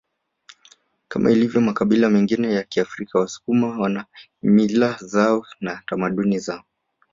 Kama ilivyo makabila mengine ya Kiafrika wasukuma wana mila zao na tamaduni zao